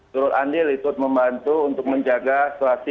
turut andil ikut membantu untuk menjaga situasi